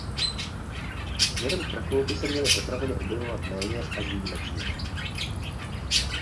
Směrem k vrcholu by se měly potraviny objevovat méně až výjimečně.